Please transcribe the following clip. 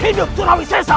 hidup surawi sesa